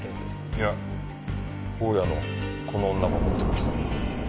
いや大家のこの女も持ってるはずだ。